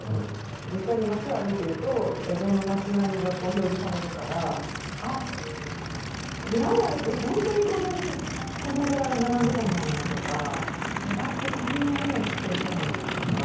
実際に町を歩いてると江戸の町並みが表示されるから「あっ蔵前って本当にこんなに米蔵が並んでたんだな」とか「木場ってこんな変な地形してたんだな」とか。